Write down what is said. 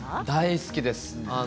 大好きです。